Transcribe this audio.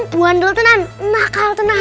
buandal tenang nakal tenang